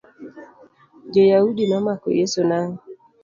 Joyaudi nomako Yeso nang'o?